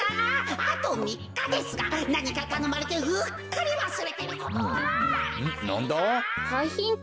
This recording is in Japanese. あとみっかですがなにかたのまれてうっかりわすれてることはありませんか？」。